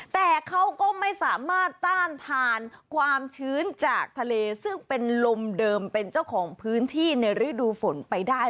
แต่เขาก็ไม่สามารถต้านทานความชื้นจากทะเลซึ่งเป็นลมเดิมเป็นเจ้าของพื้นที่ในฤดูฝนไปได้